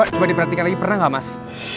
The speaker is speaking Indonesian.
coba di perhatikan lagi pernah ga mas